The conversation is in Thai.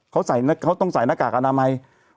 เขาต้องใส่หน้ากากอนามัย